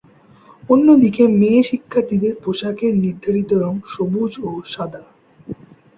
অন্যদিকে মেয়ে শিক্ষার্থীদের পোশাকের নির্ধারিত রঙ সবুজ ও সাদা।